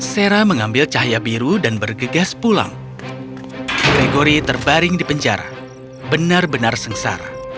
sera mengambil cahaya biru dan bergegas pulang gregory terbaring di penjara benar benar sengsara